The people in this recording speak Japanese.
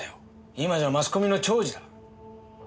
今じゃマスコミの寵児だ。